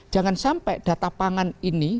jangan sampai data pangan ini